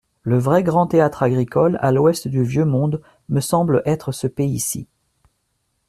Le vrai grand théâtre agricole, à l'ouest du vieux monde, me semble être ce pays-ci.